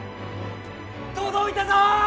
届いたぞ！